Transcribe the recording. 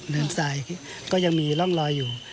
เดินสายก็ยังมีร่องรอยอยู่